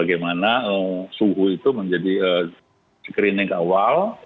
karena suhu itu menjadi screening awal